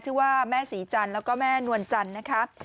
ชื่อว่าแม่ศรีจันทร์แล้วก็แม่นวลจันทร์นะคะ